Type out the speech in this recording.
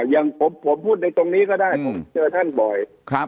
อย่างผมพูดจริงผมเจอกับท่านบ่อย